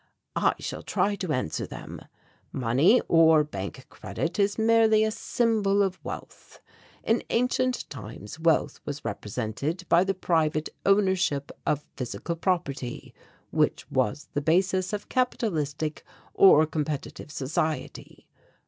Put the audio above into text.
"I shall try to answer them. Money or bank credit is merely a symbol of wealth. In ancient times wealth was represented by the private ownership of physical property, which was the basis of capitalistic or competitive society.